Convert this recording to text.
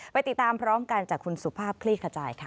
ไปติดตามพร้อมกันจากคุณสุภาพคลี่ขจายค่ะ